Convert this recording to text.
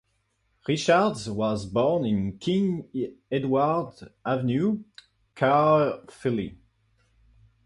Richards was born in King Edward Avenue, Caerphilly.